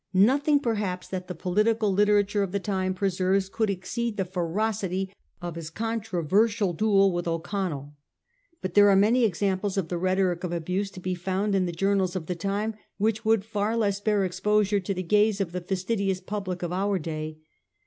Nothing perhaps that the poli tical literature of the time preserves could exceed the ferocity of his controversial duel with O'Connell ; but there are many samples of the rhetoric of abuse to he found in the journals of the time which would far less bear exposure to the gaze of the fastidious public of our day.